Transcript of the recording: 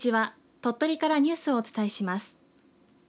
鳥取からニュースをお伝えします。